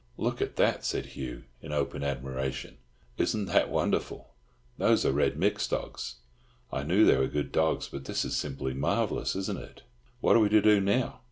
"Look at that," said Hugh, in open admiration. "Isn't that wonderful? Those are Red Mick's dogs. I knew they were good dogs, but this is simply marvellous, isn't it? What are we to do now?